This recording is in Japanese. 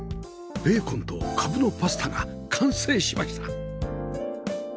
ベーコンとカブのパスタが完成しました